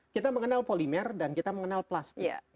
kita mengenal polimer dan kita mengenal plastik